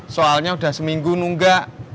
soalnya udah seminggu nunggak